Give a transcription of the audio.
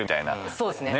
そうですね。